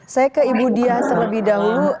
saya ke ibu diah terlebih dahulu